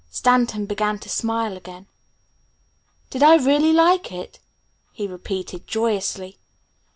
Stanton began to smile again. "Did I really like it?" he repeated joyously.